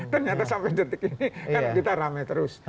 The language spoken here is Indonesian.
ternyata sampai detik ini kan kita rame terus